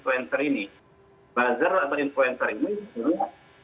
ya menurut saya buzzer kita kan belum punya perangkat ya untuk mempersoalkan buzzer